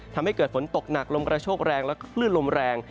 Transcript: ทำให้เกิดฝนตกหนักลมกระโชคแรงและคลื่นลมแรง